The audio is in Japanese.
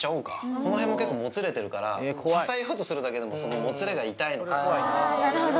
この辺も結構、もつれてるから、支えようとするだけでも、そのもつれが痛いのかな。